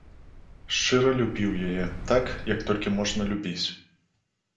Шчыра любіў яе, так, як толькі можна любіць.